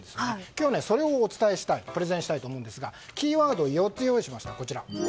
今日はそれをプレゼンしたいと思いますがキーワードを４つ用意しました。